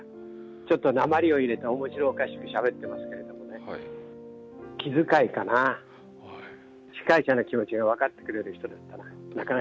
ちょっとなまりを入れて、おもしろおかしくしゃべってましたけれどもね、気遣いかな、司会者の気持ちを分かってくれる人だったな。